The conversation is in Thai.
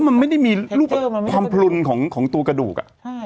มันไม่ได้มีรูปความพลุนของตัวกระดูก